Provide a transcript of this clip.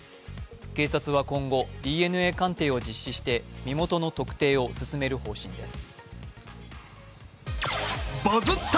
警察は今後、ＤＮＡ鑑定を実施して身元の特定を進める方針です。